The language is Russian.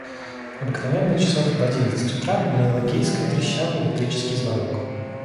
Обыкновенно часов в одиннадцать утра в моей лакейской трещал электрический звонок.